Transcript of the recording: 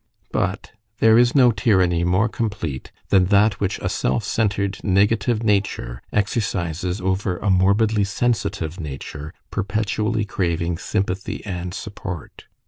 But there is no tyranny more complete than that which a self centred negative nature exercises over a morbidly sensitive nature perpetually craving sympathy and support.